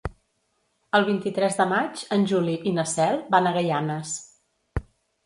El vint-i-tres de maig en Juli i na Cel van a Gaianes.